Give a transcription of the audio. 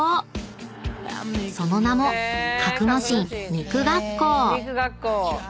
［その名も格之進肉学校］